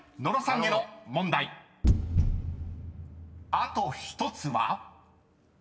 ［あと１つは？］